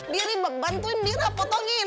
biar dia bantuin bira potongin